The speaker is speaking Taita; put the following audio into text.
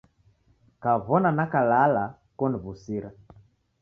Kaw'ona nakalala koniw'usira.